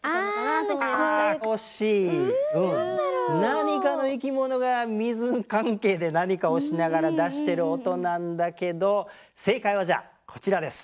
何かの生き物が水関係で何かをしながら出してる音なんだけど正解はじゃあこちらです。